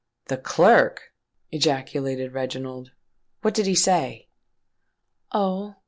"The clerk!" ejaculated Reginald; "and what did he say?" "Oh?